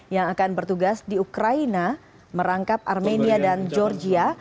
yang akan bertugas di ukraina merangkap armenia dan georgia